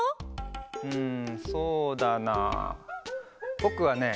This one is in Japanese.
うんそうだなぼくはね